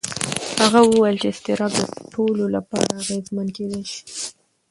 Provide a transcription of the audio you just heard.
هغه وویل چې اضطراب د ټولو لپاره اغېزمن کېدای شي.